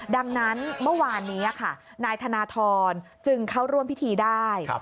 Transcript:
ดังนั้นเมื่อวานนี้ค่ะนายธนทรจึงเข้าร่วมพิธีได้